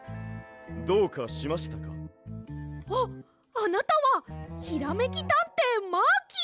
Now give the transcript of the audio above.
あっあなたはひらめきたんていマーキー！